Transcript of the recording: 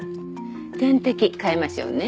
点滴替えましょうね。